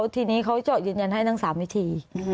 ทีนี้เขาเจาะยืนยันให้ทั้ง๓วิธี